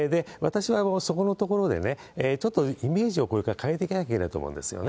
私はもうそこのところでね、ちょっとイメージをこれから変えていかなきゃいけないと思うんですよね。